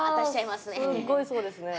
すっごいそうですね。